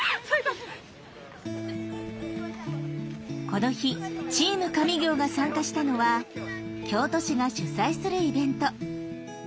この日「チーム上京！」が参加したのは京都市が主催するイベント。